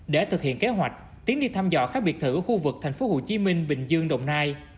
để thực hiện kế hoạch tiến đi thăm dò các biệt thự ở khu vực tp hcm bình dương đồng nai